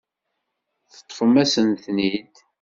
Teṭṭfem-asen-ten-id.